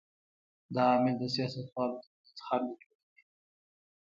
دا عامل د سیاستوالو تر منځ خنډ جوړوي.